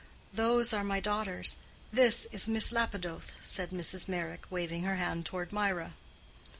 "Those are my daughters: this is Miss Lapidoth," said Mrs. Meyrick, waving her hand toward Mirah.